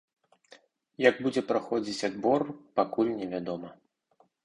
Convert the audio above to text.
Як будзе праходзіць адбор, пакуль невядома.